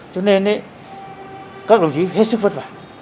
cho nên các đồng chí hết sức vất vả